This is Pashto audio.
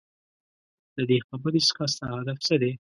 ددې خبرې څخه ستا هدف څه دی ؟؟